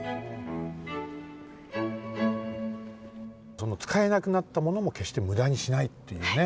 その使えなくなったものもけっしてむだにしないっていうね。